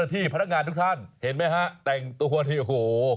ที่พนักงานทุกท่านเห็นไหมฮะแต่งตัวที่โอ้โห